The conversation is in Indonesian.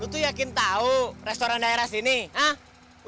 lu tuh yakin tahu restoran daerah sini ha udah mau berduk bu